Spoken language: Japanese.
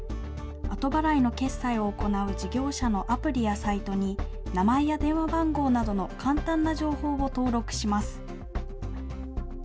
後払いの決済を行う事業者のアプリやサイトに、名前や電話番号などの簡単な情報を登録します。